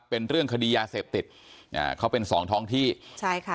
เป็นเรื่องคดียาเสพติดอ่าเขาเป็นสองท้องที่ใช่ค่ะ